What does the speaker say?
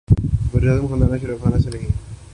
وزیر اعظم خاندان شریفیہ سے نہیں۔